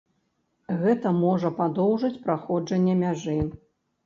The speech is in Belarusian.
Гэта можа падоўжыць праходжанне мяжы.